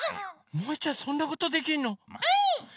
もいちゃんそんなことできんの？もい！